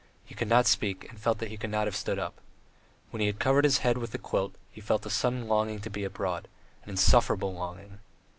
He could not speak and felt that he could not have stood up. When he had covered his head with the quilt he felt a sudden longing to be abroad, an insufferable longing!